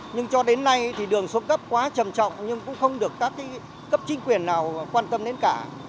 nhưng cho đến nay thì đường xuống cấp quá trầm trọng nhưng cũng không được các cấp chính quyền nào quan tâm đến cả